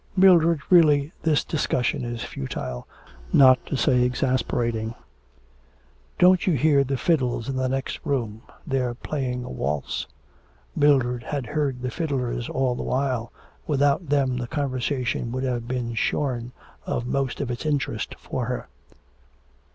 'Mildred, really this discussion is futile, not to say exasperating. Don't you hear the fiddles in the next room, they're playing a waltz.' Mildred had heard the fiddlers all the while, without them the conversation would have been shorn of most of its interest for her.